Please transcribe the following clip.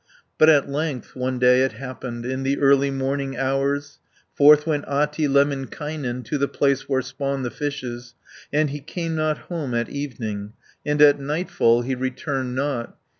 But at length one day it happened In the early morning hours, Forth went Ahti Lemminkainen To the place where spawn the fishes, 10 And he came not home at evening, And at nightfall he returned not.